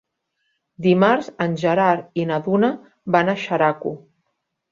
Dimarts en Gerard i na Duna van a Xeraco.